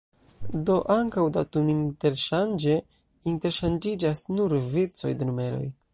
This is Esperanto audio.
Do ankaŭ datuminterŝanĝe interŝanĝiĝas nur vicoj de numeroj.